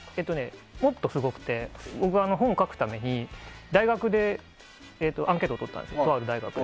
もっとすごくて僕が本を書くためにとある大学でアンケートをとったんですよ。